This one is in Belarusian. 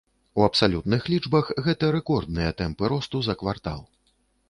У абсалютных лічбах гэта рэкордныя тэмпы росту за квартал.